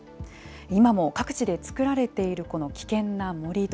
今も各地で造られているこの危険な盛り土。